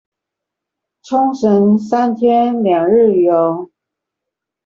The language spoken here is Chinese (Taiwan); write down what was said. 沖繩三天兩日遊